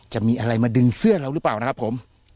จะมีอะไรมาดึงเสื้อเราหรือเปล่านะครับผม